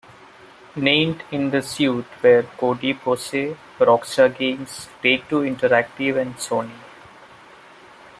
Named in the suit were Cody Posey, Rockstar Games, Take-Two Interactive, and Sony.